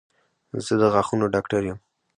زه د غاښونو ډاکټر یم